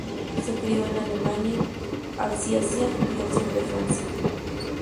Se crió en Alemania, Alsacia y el sur de Francia.